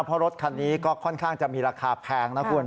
เพราะรถคันนี้ก็ค่อนข้างจะมีราคาแพงนะคุณ